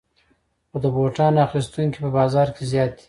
خو د بوټانو اخیستونکي په بازار کې زیات دي